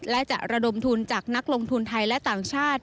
และจะระดมทุนจากนักลงทุนไทยและต่างชาติ